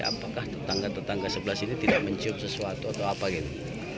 apakah tetangga tetangga sebelah sini tidak mencium sesuatu atau apa gitu